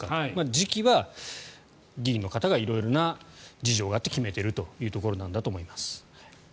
時期は議員の方が色々な事情があって決めているところなんだと思います。